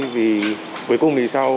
vì cuối cùng thì sao